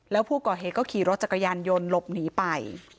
แล้วผู้ก่อเหตุก็ขี่รถจักรยานยนต์หลบหนีไป